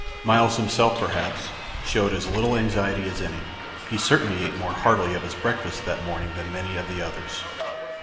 Myles himself, perhaps, showed as little anxiety as any; he certainly ate more heartily of his breakfast that morning than many of the others.